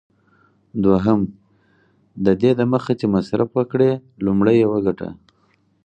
دوهم: ددې دمخه چي مصرف وکړې، لومړی یې وګټه.